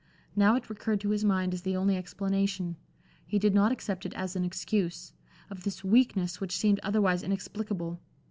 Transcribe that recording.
Now it recurred to his mind as the only explanation he did not accept it as an excuse of this weakness which seemed otherwise inexplicable.